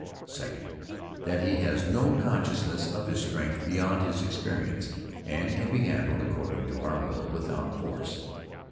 SECOND. That he has no consciousness of his strength beyond his experience, and can be handled according to our will, without force.